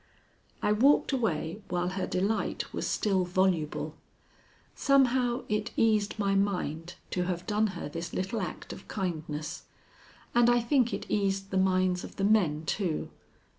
I walked away while her delight was still voluble. Somehow it eased my mind to have done her this little act of kindness, and I think it eased the minds of the men too.